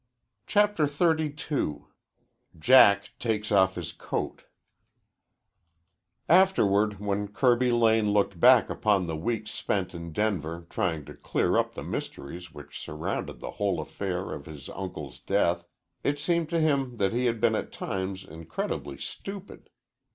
CHAPTER XXXII JACK TAKES OFF HIS COAT Afterward, when Kirby Lane looked back upon the weeks spent in Denver trying to clear up the mysteries which surrounded the whole affair of his uncle's death, it seemed to him that he had been at times incredibly stupid.